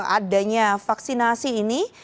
adanya vaksinasi ini